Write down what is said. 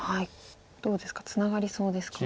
どうですかツナがりそうですか？